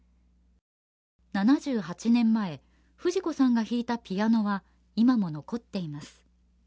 ７８年前フジコさんが弾いたピアノは今も残っています